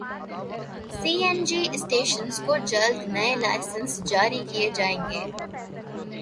سی N G stations کو جلد نئے لائسنس جاری کیے جائیں گے